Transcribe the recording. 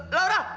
laura kamu kenapa